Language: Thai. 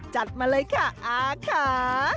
จัดมาเลยค่ะอาค่ะ